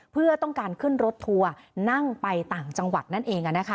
เพื่อต้องการขึ้นรถทัวร์นั่งไปต่างจังหวัดนั่นเอง